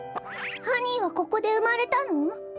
ハニーはここでうまれたの？